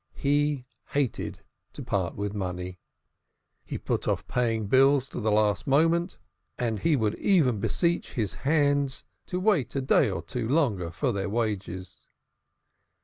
He hated to part with money; he put off paying bills to the last moment, and he would even beseech his "hands" to wait a day or two longer for their wages.